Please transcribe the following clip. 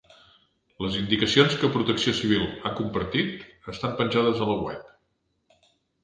Les indicacions que Protecció Civil ha compartit estan penjades a la web.